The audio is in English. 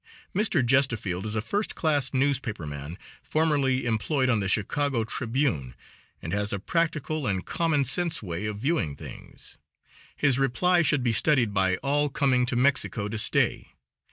Mr. Gestefeld is a first class newspaper man, formerly employed on the Chicago Tribune, and has a practical and common sense way of viewing things. His reply should be studied by all coming to Mexico to stay.